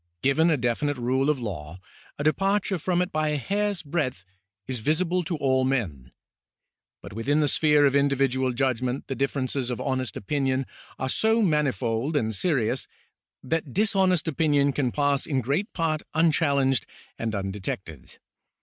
Given a definite rule of law, a depar ture from it by a hair's breadth is visible to all men ; but within the sphere of individual judgment the differences of honest opinion are so manifold and serious that dishonest opinion can pass in great part unchallenged and undetected.